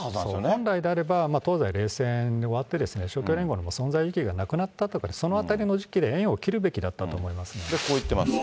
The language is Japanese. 本来であれば、東西冷戦で終わって、勝共連合の存在の意義がなくなったとか、そのあたりの時期で縁をでこう言ってます。